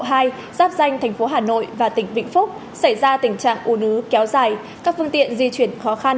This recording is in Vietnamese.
giáp danh thành phố hà nội và tỉnh vĩnh phúc xảy ra tình trạng ủ nứ kéo dài các phương tiện di chuyển khó khăn